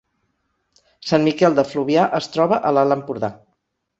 Sant Miquel de Fluvià es troba a l’Alt Empordà